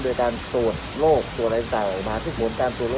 อยู่กันรอบหนึ่งหรือเปล่า